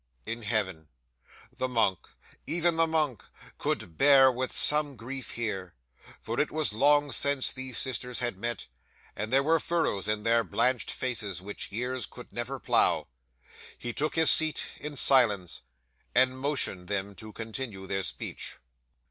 In Heaven. 'The monk even the monk could bear with some grief here; for it was long since these sisters had met, and there were furrows in their blanched faces which years could never plough. He took his seat in silence, and motioned them to continue their speech.